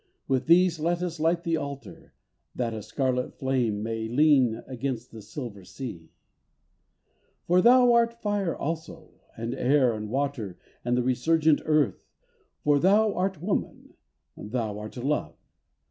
With these let us light the altar, That a scarlet flame may lean Against the silver sea. For thou art fire also, And air, and water, and the resurgent earth, For thou art woman, thou art love.